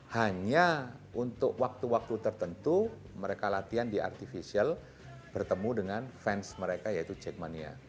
hanya untuk waktu waktu tertentu mereka latihan di artificial bertemu dengan fans mereka yaitu jackmania